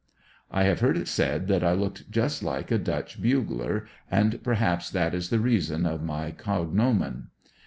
I have heard it said that I looked just like a Dutch bugler, and perhaps that is the reasoa of my cognomen.